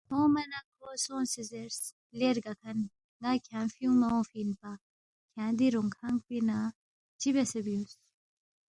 تھونگما نہ کھو سونگسے زیرس، ”لے رگاکھن ن٘ا کھیانگ فیُونگما اونگفی اِنپا، کھیانگ دی رونگ کھن پِنگ نہ چِہ بیاسے بیُونگس؟“